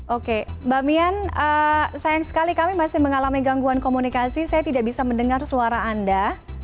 oke mbak mian sayang sekali kami masih mengalami gangguan komunikasi saya tidak bisa mendengar suara anda